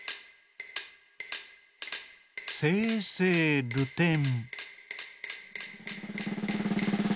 「せいせいるてん」。